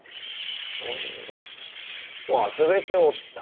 ああ忘れておった。